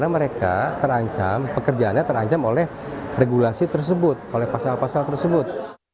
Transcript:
karena mereka terancam pekerjaannya terancam oleh regulasi tersebut oleh pasal pasal tersebut